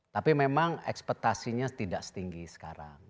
tapi memang ekspetasinya tidak setinggi sekarang